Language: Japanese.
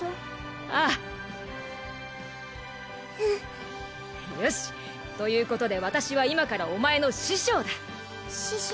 ああうんよしっということで私は今からお前の師匠だ師匠？